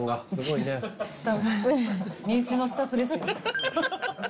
身内のスタッフですよ。